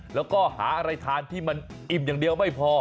แล้วก็หาอะไรทานที่มันอิ่มอย่างเดียวไม่พอ